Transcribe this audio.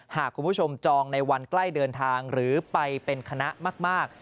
หากคุณผู้ชมจองในวันใกล้เดินทางหรือไปเป็นคณะมาก